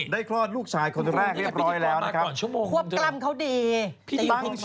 ได้คลอดลูกชายคนแรกเรียบร้อยแล้วนะครับควบกรรมเขาดี